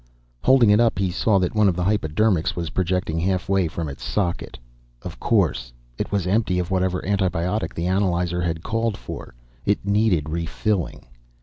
Holding it up he saw that one of the hypodermics was projecting halfway from its socket. Of course. It was empty of whatever antibiotic the analyzer had called for. It needed refilling.